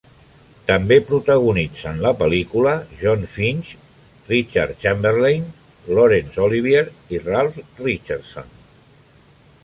També protagonitzen la pel·lícula Jon Finch, Richard Chamberlain, Laurence Olivier i Ralph Richardson.